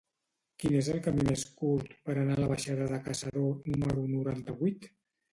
Quin és el camí més curt per anar a la baixada de Caçador número noranta-vuit?